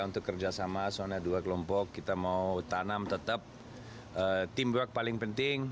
teamwork paling penting